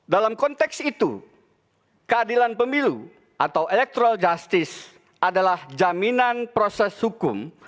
dalam konteks itu keadilan pemilu atau electoral justice adalah jaminan proses hukum